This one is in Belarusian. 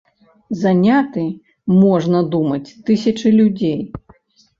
Заняты, можна думаць, тысячы людзей.